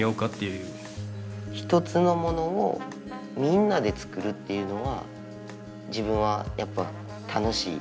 一つのものをみんなで作るっていうのは自分はやっぱ楽しい。